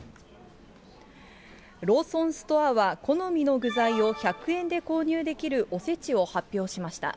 ローソンストアは、好みの具材を１００円で購入できるおせちを発表しました。